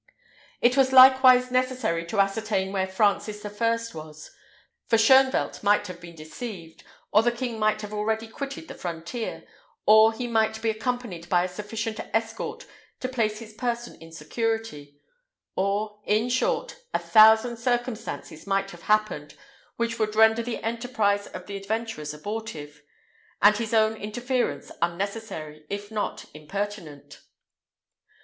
It was likewise necessary to ascertain where Francis I. was; for Shoenvelt might have been deceived, or the king might have already quitted the frontier, or he might be accompanied by a sufficient escort to place his person in security; or, in short, a thousand circumstances might have happened, which would render the enterprise of the adventurers abortive, and his own interference unnecessary, if not impertinent.